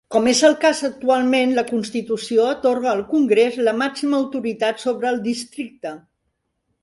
Com és el cas actualment, la Constitució atorga al Congrés la màxima autoritat sobre el districte.